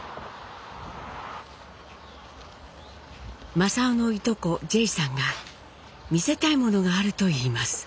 正雄のいとこジェイさんが見せたいものがあるといいます。